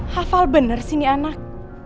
hafal bener sih nih anak